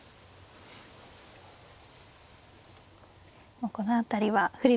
もうこの辺りは振り